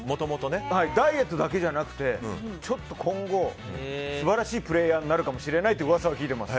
ダイエットだけじゃなくて今後、素晴らしいプレーヤーになるかもしれないという噂を聞いています。